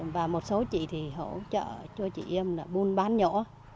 và một số chị thì hỗ trợ cho chị em bùn bán nhỏ